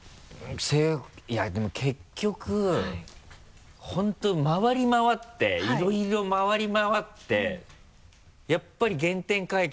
性格いやでも結局本当回り回っていろいろ回り回ってやっぱり原点回帰